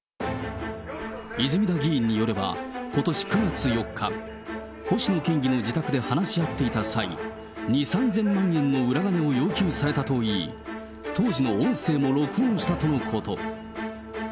泉田議員によれば、ことし９月４日、星野県議の自宅で話し合っていた際、２、３０００万円の裏金を要求されたといい、当時の音声も録音したとのこと。